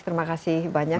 terima kasih banyak